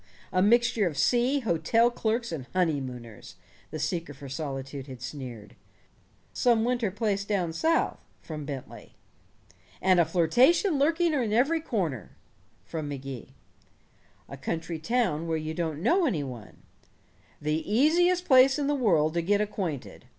"A mixture of sea, hotel clerks, and honeymooners!" the seeker for solitude had sneered. "Some winter place down South," from Bentley. "And a flirtation lurking in every corner!" from Magee. "A country town where you don't know any one." "The easiest place in the world to get acquainted.